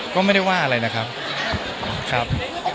ก็ไม่ได้ว่าอะไรนะครับครับ